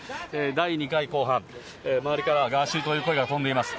第２回公判、周りからはガーシーという声が飛んでいます。